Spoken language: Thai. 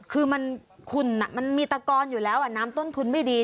คือคุณมันมีตะกอนอยู่แล้วน้ำต้นทุนไม่ดี